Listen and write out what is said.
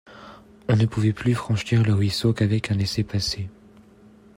On ne pouvait plus franchir le ruisseau qu’avec un laissez-passer.